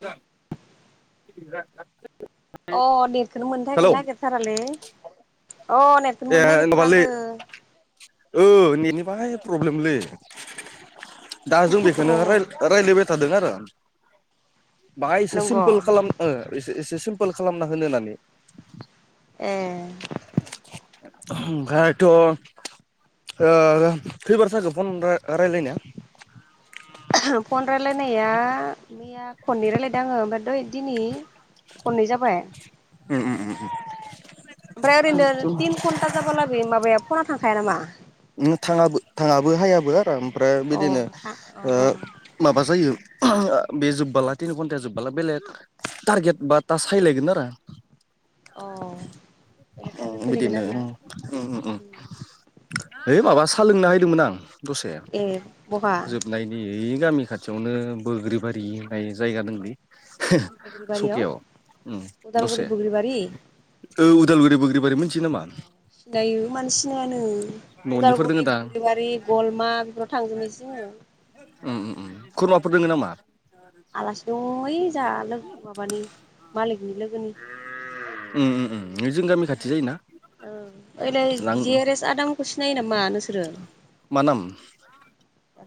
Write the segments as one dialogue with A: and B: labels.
A: द [unintelligible]
B: अ नेटखोनो मोननो नागिरथारालै अ नेटखोनो
A: ए
B: मोननो
A: माबालै
B: नागिरथाराहोनदो।
A: ओ नेटनि बाहाय प्रब्लेमलै दा जों
B: अ
A: बेखौनो राय दा रायज्लायबाय थादों
B: बे
A: आरो बाहायसा
B: नंगौ
A: सिम्पोल खालाम ए एसे सिम्पोल खालामना होनो होननानै।
B: ए
A: [unintelligible] ओ खैबारसो जाखो फन रा-रायलायनाया?
B: फन रायलायनाया मैया खननै रायलायदों आङो ओमफ्राय दय दिनै खननै जाबाय।
A: उम उम।
B: ओमफ्राय ओरैनो थिन घन्टा जाबाला बे माबाया फना थांखाया नामा?
A: थाङाबो थाङाबो हायाबो आरो ओमफ्राय
B: अ
A: बिदिनो
B: था अ अ
A: माबा जायो। बे जोब्बला तिन घन्टा जोब्बला बेलेग टारगेट बा टास सायलायगोन आरो।
B: अ बेलेग टारगेट फैलायगोन
A: बिदिनो।
B: आरो ना
A: ओइ माबा सा लोंना होदोंमोन आं दसे
B: ए बहा
A: जोबनाय। गामि खाथियावनो बोग्रिबारि होननाय जायगा दं।
B: बोग्रिबारियाव
A: सकियाव
B: उदालगुरि
A: दसे।
B: बोग्रिबारि
A: ओ उदालुरि बोगग्रिबारि मोनथियो नामा?
B: दायो मानसिनायानो।
A: न'निफोर दोङो
B: उदालगुरि
A: दां
B: बुब्रिबारि गलमा बेफोराव थांजोबनोसै जोङो
A: खुरमाफोर दोङो नामा?
B: आलासि दं ओ जा माबानि मालिकनि लोगोनि
A: जों गामि खाथि जायोना।
B: औ ओइलाय
A: लां
B: जि आर एस आदामोनखौ सिनायो नामा नोंसोरो?
A: मा नाम?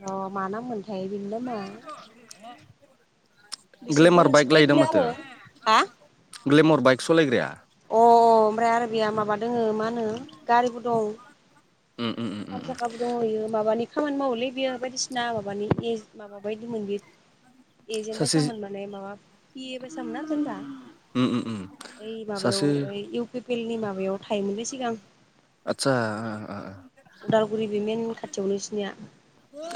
B: र' माना मोनथायायो बेनि नामा? बिसोरबो
A: ग्लेमार
B: नोंसोर
A: बाइक लायदों
B: बायदिनो आरो
A: माथो।
B: हा
A: ग्लेमर बाइक सालायग्राया?
B: अ अ ओमफ्राय आरो बेहा माबा दोङ मा होनो गारिबो दं।
A: उम उम उम। उम
B: हार
A: उम
B: थाखाबो दंहैयो माबानि खामानि मावोलै बेयो बायदिसिना माबानि ए माबा बायदिमोन बेयो। एजेेनट
A: सासे
B: बायसामोन माने माबा पि ए बायसामोनना जेनबा
A: उम उम उम
B: ओइ माबायाव
A: सासे
B: ओ इउ पि पि एल नि माबायाव थायोमोनलै सिगां।
A: आचसा।
B: उदालगुरि बे मेइन खाथियाव इसोरनिया।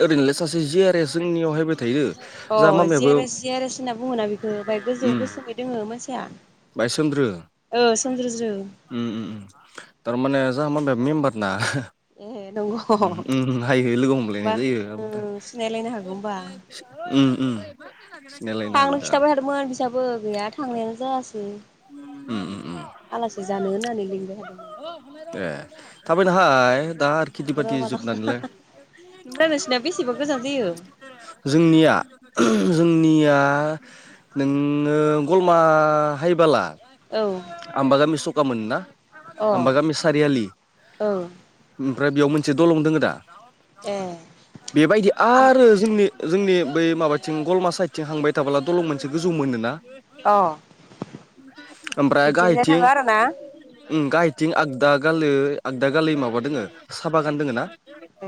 A: ओरैनोलाय सासे जियारे जोंनियावहायबाय थायो।
B: अ
A: जाहा
B: जि
A: मामायाबो
B: R S G R S होनना बुङोना बेखो बाय गोजौ गोसोमै दोङो मानसिया।
A: बाय सोमन्द्रो।
B: ओ सोमज्रोज्रो
A: उम थारमाने जाह मामायाबो मेम्बार ना।
B: ए नंगौ
A: उम
B: होमबा
A: उम हायो लोगो हमलायनाय जायो।
B: ओ सिनायलायनो हागौ होमबा
A: उम उम मिलायनो हागौ दा।
B: फैसाबो गैया थांनायानो जायासै
A: उम उम उम
B: आलासि जानो होननानै लिंबाय थादोंमोन।
A: ए थाबायनाहाय दा खेथि
B: थांगोर'
A: बाथि
B: मालाबा
A: जोबनानैलाय
B: ओमफ्राय नोंसिनाया बेसेबा गोजान जायो।
A: जोंनिया जोंनिया नोङो गलमा हायबला
B: औ
A: आमबा गामि सखामोन ना
B: अ
A: आबा गामि सारियालि
B: औ
A: ओमफ्राय बेयाव मोनसे दलं दोङो दा
B: ए
A: बेबायदि
B: आम
A: आरो जोंनि जोंनि बै माबाथिं गलमा साइडथिं हांबाय खोथाबला दलं मोनानसे गोजौ मोनोना
B: अ
A: ओमफ्राय
B: बिथिंजाय थाङो
A: गाहायथिं
B: आरो ना
A: गाहथिं आगदा गालै आगदा गालै माबा दोङ साहा बागान दोङ ना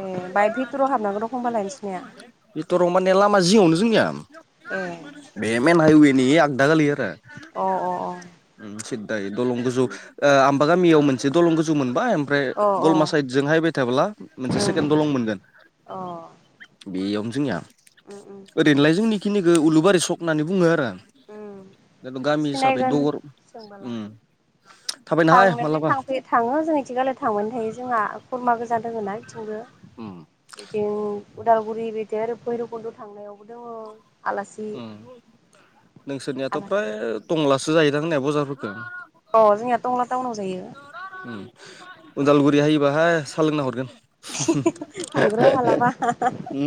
B: ए बमाय भिटराव हाबनांगोन रखम्बा लायनोसैनाया
A: दरं माने लामा जिआवनो जोंनिया
B: ए
A: बे मेन हाइवेनि आगदा गालिया दा [inaudible]
B: अ अ अ
A: सिददायो दलं गोजौ आमबा गामियाव मोनसे दलं गोजौ मोनबाय ओमफ्राय
B: अ
A: गलमा साइद
B: अ
A: जों हायबाय थाब्ला मोनसे सेकेणड दलं मोनगोन
B: अ
A: बेयावनो जोंनिया
B: उम उम
A: ओरैनोलाय जोंनिखिनिखौ उलुबारि सक होननानै बुङो आरो आं
B: उम
A: द गामि
B: सिनायगोन
A: दगर थाबायनो हाय
B: थांनायनानै
A: मालाबा
B: थांफै थाङो जों एथिगाल थांबायानो थायो जोंहा खुरमा गोजा दोङ ना बिथिंबो
A: उम
B: बिदिनो उदालगुरि बिदि आरो भैरबकुन्द' थांनायावबो दङ आलासि
A: नोंसोरनियाथ'
B: आलासि
A: फ्राय
B: दं
A: दंलासो जाहदां होननाया बजारफोरखौो
B: अ जोंनिया टंला टाउनाव जायो
A: उदालगुरि हायोबाहाय साहा लोंना हरगोन
B: थांग्र मलाबा
A: उम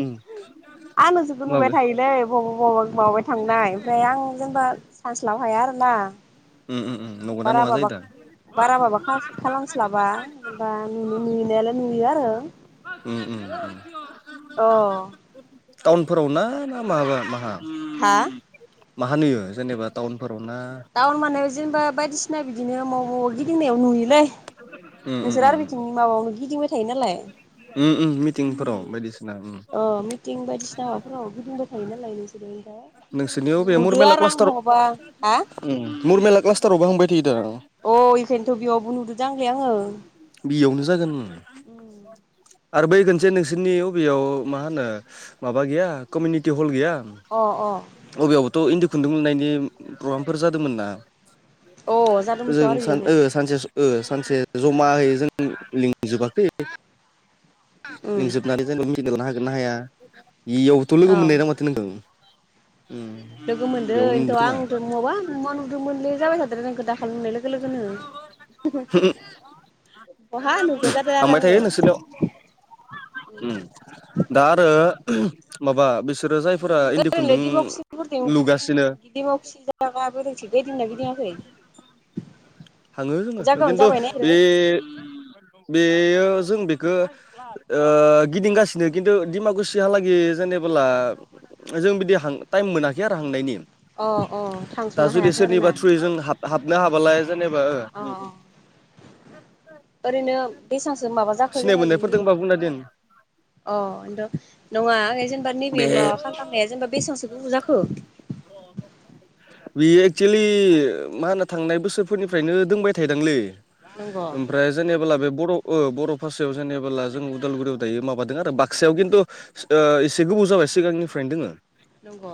B: आं जोबो नुबाय
A: माबे
B: थायोलै बबा बबावबा माबाय थांनाय ओमफ्राय आं जेनेबा फानस्लाब हाया आरोना
A: ओ ओ ओम
B: बार बाबा बारा माबा खालामस्लाबा जेनबा नु नुयनायालाय नुयो आरो
A: उ उ
B: अ
A: टाउनफोराव ना ना माबा माहा
B: हा
A: मा होन होयो जेनेबा टाउनफोराव ना
B: दाउन माने जेनेबा बायदिसिना बिदिनो मावबाव गिदिंनायाव नुयोलै
A: उम उम
B: नोंसोर
A: उम
B: आरो बिथिंनि माबायावनो गिदिंबाय थायो नालाय
A: मिटिंफोराव बायदिसिना
B: सिबायदिसिना हाबाफोराव गुदुं दंखायो नालाय
A: नोंसोरनियाव
B: नों नुदो आरो आं बहाबा हा
A: मुर मेरला क्लास्टारावबो हांबाय थायोदों आरो आ
B: अ इखायथ' बेयावबो नुदोंद आांंलै आङो
A: बियावनो जागोन
B: उम [inaudible]
A: आरो बै खनसे नोंसोरनि बबेयाव मा होनो माबा गैया कमिउनिटि हल गैया
B: अ अ
A: बबेयावबोथ' इन्दि खुन्दुं मोननायनि प्रग्रामफोर जादोंमोन ना
B: अ
A: जों
B: जादोंमोनथ' आरो
A: सान
B: इयावनो
A: ओ सानसे ओ सानसे जमायै जों लिंजोबाखै
B: उम
A: लिंजोबनानै जेनब मिदानो हागोन ना हाया इ आयावबोथ' लोगो
B: औ
A: मोननाय ना माथो नोंथां
B: लोगो मोनदोंथ' आंथ' माबा नुमा नुदोंमोन जाबाय थादो आंखौ दाखानाय लोगो लोगोनो बहा नुगाद आरो
A: थांबाय
B: आङो
A: थायो नोंसोरनियाव उम दा आरो माबा बिसोरो जायफोरा इन्दि खुन्दुं लुगासिनो
B: दिमाव खिसि जाबा बोरों थिग बायदिंना गिदिङाखै?
A: थाङो जोङो
B: जागायावनो
A: खिन्थु
B: जाबायना इफोरो
A: बे बेयो जों बेखौ। गिदिंगासिनो खिन्थु दिमाकुसिहालागै जेनेबोला जों बिदि टाइम मोनाखै आरो हांनायनि
B: अ अ
A: दा
B: थांस'नो
A: जुदि
B: हायाखै आरो ना
A: सोरनिबा थ्रयै जों हाबनो हाबालाय जेनेबा
B: अ ओरैनो बेसेबांसो माबा जाखो
A: सिनाय
B: जोङो
A: मोननायफोर
B: बिनि
A: दंबा
B: माबा
A: बुंना दोन
B: खालामनाया अ खिन्थु नङा जेनेबा नैबे माबा खालामनाया जेनेबा बेसेबां सखौबुजाखो
A: बियो एक्सुेलि मा होनो थांनाय बोसोरफोरनिफ्रायनो दोंबाय थायोदांलै।
B: नंगौ
A: [unintelligible] जेनेबोला बे बर' बर' भाषायाव जेनेबोला जों उदालगुरियाव दायो माबादों आरो बाक्सायाव खिन्थु एसे गोबाव जाबाय सिगांनिफ्रायनो दोङो।
B: नंगौ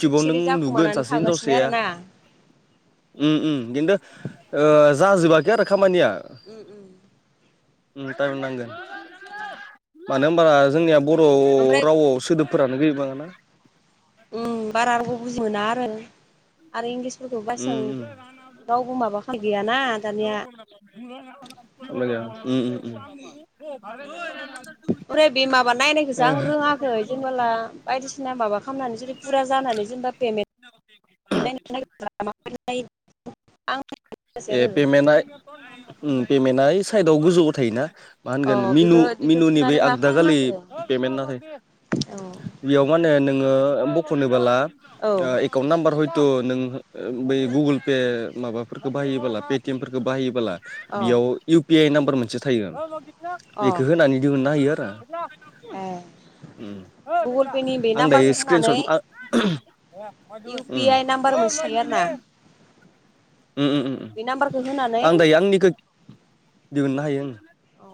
B: सिरि
A: नों
B: सिरि
A: नुगोन
B: जाखुमानानै
A: सासे
B: थागासिनो
A: हिनजावसाया
B: आरोना
A: ओम ओम खिन्थु जाजोबाखै आरो खामानिया
B: उम उम
A: टाइम नांगोन।
B: औ।
A: मानो होनब जोंनिया बर' रावआव सोदोबफोरानो गैबाङा ना
B: ओम बारा बुजि मोना आरो। आरो इंलिसफोरखौ
A: उम
B: बसेबां रावबो माब खालाम गैयाना दानिया।
A: [unintelligible]
B: ओरै बे माबा नायनायखौसो आं रोङाखै जेनेबोला बायदिसिना माबा खालामनानै जुदि फुरा जानानै जेनेबा [unintelligible] आं मिथियासै
A: ए
B: आरो
A: पेमेन्टआ पेमेन्टआ साइदआव गोजौआव थायोना। मा
B: अ
A: होनगोन मिनु
B: बेखौ बेखौ
A: मिनुनि बै
B: थुनानै मा
A: आगदाखालि
B: खालामनांगौ
A: पेमेन्ट नाथाय
B: औ
A: बेयाव माने नोङो बख'नोबोला
B: औ
A: एकाउन्ट नाम्बार हयथ' नों बै गुगोल पे माबाया बाहायोला पेटिएम फोरफोरखौ बाहायोबोला
B: अ
A: बेयाव इउ पि आइ नाम्बार मोनसे थायो आरो।
B: अ
A: बेखौ होनानै दिहुनना होयो आरो।
B: ए
A: आं
B: गुगोल पेनि बे
A: दायो
B: नाम्बारखौ
A: स्क्रिनस
B: होनानै
A: ओम
B: इउ पि आइ नाम्बार मोनसे थायो आरो ना
A: [unintelligible] ओम
B: बे नाम्बारखौ होनानै
A: आं दायो आंनिखौ दिहुननो हायो आङो
B: औ।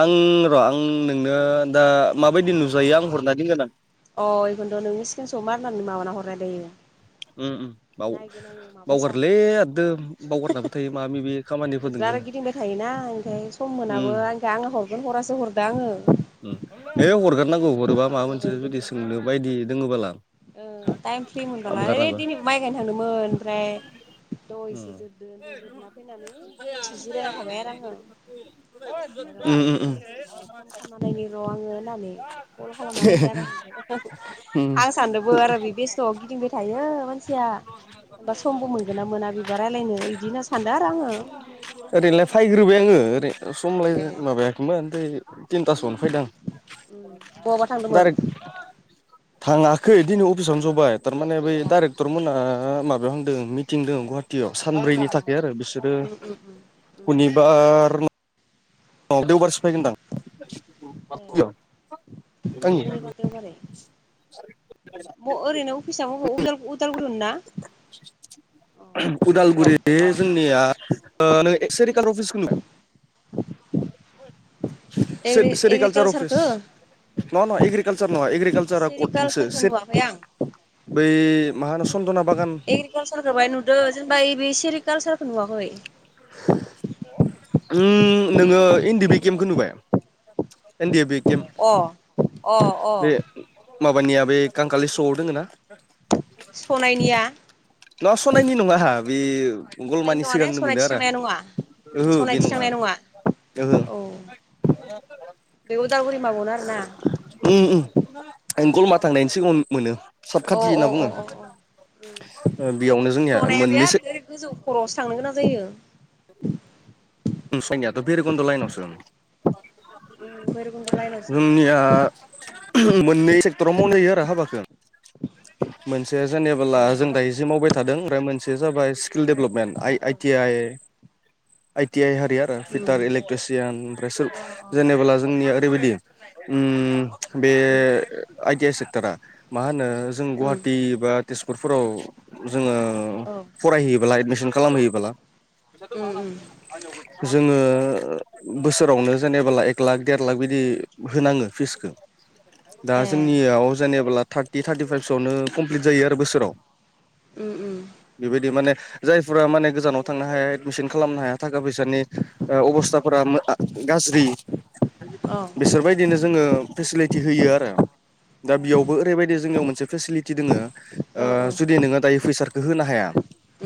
A: आं र' आं नोंनो ओ दा माबायदि नुजायो आं हरना दोनगोन आं
B: अ बेखखौनोथ' नोंनि स्केन सतआव मारनानै माबाना हरनाय दायो
A: बाव
B: नायगोन आङो माबायसा
A: बावगारलै आरोद बावगारनाबो थायो मा मि बे
B: नोंसोर आरो गिदिंबाय थायोना ओंखाय सम मोनाबो
A: उम
B: ओंखायनो आंङो हरगोन हरासो हरदो आङो
A: है हरगारनांगौ हरोबा माबा
B: औ
A: मोनसे जुदि सोंनो बायदि दोङबोल आ
B: ओ टाइम फ्रि मोनबालाय ओ दिनै माइ गायनो थांदोंमोन ओमफ्राय।
A: उम
B: दहायसो जोबदो ओमफ्राय जोबना फैनानै दसे जिरायना थाबाय आरो आङो। र'
A: उम
B: सम
A: उम
B: मोनबा फन खालामनानैनायनि र' आङो होननानै कल खालामनानै हैदो आरो आंबो।
A: उम
B: आं सानदोंबो आरो बे बेस्थ'आव गिदिंबाय थायो मानसिया बा समबो मोनगोन ना मोना बिबार रायज्लायनो बिदिनो सानदों आरो आङो।
A: ओरैनोलाय फैग्रोबाय आङो ओरै समलाय माबायाखैमोन ओमफ्राय थिनथासोआवनो फैदों
B: बहाबा थांदोंमोन
A: आं [unintelligible]
B: [inaudible]
A: थाङाखै दिनै अफिसावनो जाय थारमाने बै डाइरेक्टर मोनहा माबायाव हांदों मिथिं हाटीयाव सानब्रैनि थाखाय आरो बिसोरो
B: अ उम उम उम उम
A: सुनिबार औ देवबारसो फैगोनदां
B: ए
A: [unintelligible] आंनि
B: सुनिबार देवबारै ओरैनो अफिस म मबावाव उदालगुरिआवनो ना [inaudible]
A: उदालगुरि जोंनिया नों एकसेरिकालार अफिसखौ नुबाय
B: [inaudible]
A: से सेेरिकालचार अफिस
B: एग्रिकालसारखौ
A: नङा नङा एग्रिकालचार नङा एग्रि कालचारा कर्डथिंसो
B: सेरिकालसारखौ
A: सेरि
B: नुवाखै आं
A: बै मा होनो सन्दना बागान
B: एग्रिकाल्सारखौ बाय नुदो जेनेबा ओइ बे सेरिकालसारखौ नुवाखै
A: नोङो इनदि बि केम्पखौ नुबाय एनदि एफ बि केम्प
B: अ अ अ
A: बे माबानिया बे कांखाालि सगआव दोङो ना
B: सनायनिया
A: नङा सनानायनि नङा बे
B: सनायनि
A: गलमानि
B: नङा ने
A: सिगांनो मोनो
B: सनायथि
A: आरो
B: थांनाया नङा
A: ओहो बे
B: सनायथि
A: नङा
B: थांनाय
A: ओहो
B: औ बे उदालगुरि माबायावनो आरोना
A: उम उम गलमा थांनायनि सिगाङाव मोनो साब
B: अ
A: खाथि होनना बुङो
B: अ अ
A: बेयावनो जोंनिया
B: सनाया बिराद
A: मोननैसो
B: ओरै गोजौ खर'आवसो थांनो गोनां जायो
A: नुसायनियाथ' भैरकुन्द' लाइनावसो
B: भैरबखुन्द लाइनावसो बे
A: जोंनिया
B: सनाया बे
A: मोननै सेक्टराव मावनो हायो आरो हाबाखौ मोनसेया जेनेबोला
B: ए
A: जों दायो जि मावबाय थादों ओमफ्राय मोनसे जाबाय स्किल डेभेलपमेन्ट आइ
B: औ
A: I T I I T I आरिया आरो फिटार इलेकट्रिसियान ओमफ्राय
B: अ
A: जेनेबोला जोंनिया ओरैबायदि उम बे आइटि आइ सेक्टरा मा होनो जों गुवाहाटि बा तेजपुरफोराव जोङो
B: औ
A: फरायहैयोब्ला एडमिसन खालामहोयोब्ला जोङो बोसोरावनो जेनेबोला एक लाख देर लाख बिदि होनाङो फिसखौ दा
B: ए
A: जोंनियाव जेनेाबला थारटि थार्टिफाइभसोआवनो कमप्लिट जायो आरो बोसोराव
B: उम उम
A: बेबायदि माने जायफोरा माने गोजानाव थांनो हाया एडमिसन खालामनो हाया। थाखा फैसानि अबस्थाफोरा गाज्रि
B: औ
A: बिसोरबायदिनो जोङो फेसिलिटि होयो आरो दा बेयावबो ओरैबायदि जोंनियाव मोनसे फेसिलिटि दोङो
B: औ औ
A: जुदि नोङो दायो फैसा होनो हाया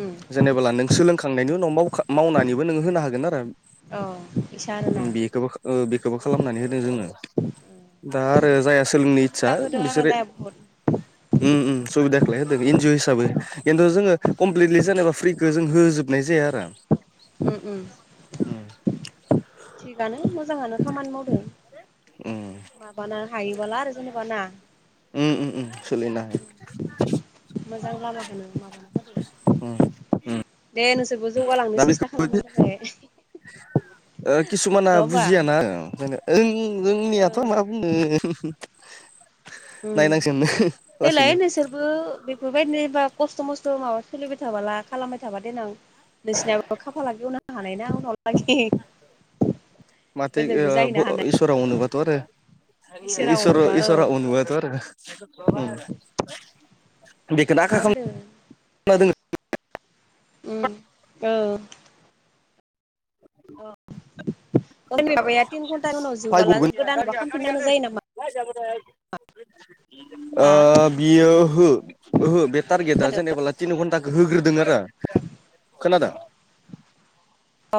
B: उम
A: जेनेबोला नों सोलोंखांनायनि उनाव मावखां मावनानै बो नोङो होनो हागोन आरो
B: औ इसा आरोना
A: बेखो बेखोबो खालामनानै होदों जोंनो दा आरो जायहा सोलोंनो इस्सा
B: सुबिदा होदो आरो
A: बिसोरो
B: ने बुहुद
A: उम उम सुबिदाखौलाय होदों एनजिअ हिसाबै खिन्थु
B: औ
A: जोङो कमप्लिटलि जेनेबा फ्रिखौ जों होजोबनाय जाया आरो
B: उम उम
A: उम
B: थिगानो मोजाङानो खामानि मावदों
A: उम
B: माबानो हायोबोला आरो जेनेबा ना
A: [unintelligible] सोलिनो हायो
B: मोजां लामाखोनो माबानो था [unintelligible]
A: [unintelligible]
B: दे नोंसोरबो जौगालांनो
A: दा
B: सेस्था
A: बेखोबोदि
B: खालामबानो जाबाय
A: किसुमाना
B: नङा होमबा
A: बुजियाना ओंखायनो [unintelligible] जोंनियाथ'
B: ओं
A: मा बुङो
B: देलाय नोंसोरबो बे फोरबायदिनो एबा खस्थ' मस्थ' माबा सोलिबाय थाबाला खालामबाय थाबा देनों नोंसिनाबो खाफाला गेवनो हानाय ना उनाव लागि
A: माथिग
B: गोदोरबो
A: ओ
B: जाहैनो
A: ब
B: हानाय
A: इसोराव अनोबाथ' आरो इसोरा
B: अनोबा
A: इसोरा
B: औ
A: आनबो थ आरो [unintelligible]
B: उम
A: बेखौनो आसा खालामना दं [unintelligible]
B: ओम औ औ सोरनि माबाया तिन घन्टानि उनाव जोबबोला
A: फायगगोन
B: गोदान माबा खालामफिनांगौ जायो नामा [unintelligible]
A: अ
B: हा
A: बियो ओहो ओहो बे टारगेटआ
B: खोनादों
A: जेनेबला तिन घन्टाखौ होग्रोदों आरो [unintelligible] खोनादों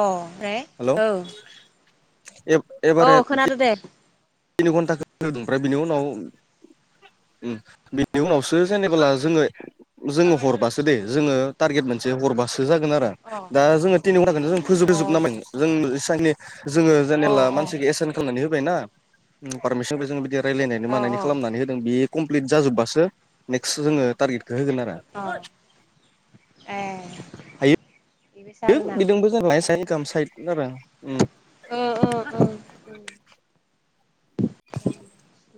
B: अ ओमफ्राय औ
A: ए
B: औ खोनादों दे
A: तिनि घन्टा होदों ओमफ्राय बिनि उनाव बिनि उनावसो जेनेबोला जोङो जोङो हरबासो दे जोङो टारगेट मोनसे हरबासो जागोन आरो
B: अ
A: दा जोङो तिनि घन्टा जों फोजोब
B: अ
A: जोबनांबाय
B: बिसासो
A: जोंनि जोङो
B: अ
A: जेनेला मानसिखौ एसेन [unintelligible] खालामनानै होबायना पारमिसनखौ जों बिदि रायलायनानै
B: अ
A: मानायनि खालामनानै होदों बे कमप्लिट जाजोब्बासो नेक्स्ट जोङो टारगेटखौ होगोन आरो
B: अ ए बेबायसा
A: बे
B: आरोना
A: बिदोंबो जोन साइद गाहाम साइद आरो ओम [unintelligible]
B: ओ ओ [unintelligible]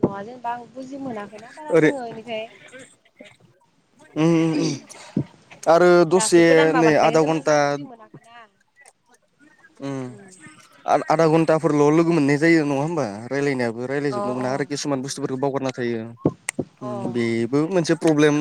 B: न'ङा जेनेबा आं बुजि मोनाखैनाा बारा
A: ओरै
B: जोङो बेनिखाय
A: आरो
B: दासो
A: दसे
B: गोदान
A: नै
B: माबानायखाय
A: आधा
B: जेनेबा जों
A: घन्टा
B: [unintelligible] उम
A: आधा घन्टाफोरल' लोगो मोननाय जायो नङा होमबा रायज्लायनायाबो
B: अ
A: रायज्लायजोबनो
B: अ
A: मोना आरो किसुमान
B: उम
A: बुस्थुफोरखौ बावगारना थायो
B: अ
A: बे बे मोनसे प्रब्लेम